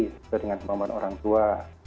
seperti dengan pemohon orang tua